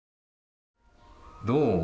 どう？